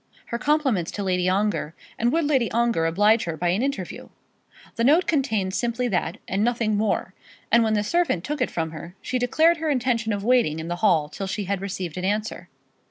Her compliments to Lady Ongar, and would Lady Ongar oblige her by an interview. The note contained simply that, and nothing more; and when the servant took it from her, she declared her intention of waiting in the hall till she had received an answer.